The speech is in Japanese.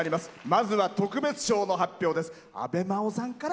まずは特別賞の発表です。